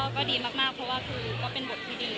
ก็ดีมากเพราะว่าคือก็เป็นบทที่ดี